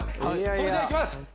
それではいきます。